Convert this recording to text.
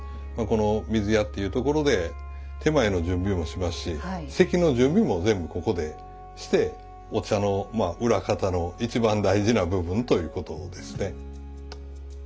この水屋っていうところで点前の準備もしますし席の準備も全部ここでしてお茶のまあ裏方の一番大事な部分ということですね。